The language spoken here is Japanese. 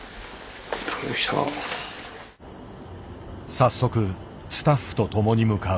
早速スタッフと共に向かう。